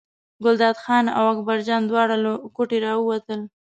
ګلداد خان او اکبرجان دواړه له کوټې راووتل.